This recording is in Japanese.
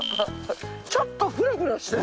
ちょっとフラフラしてる。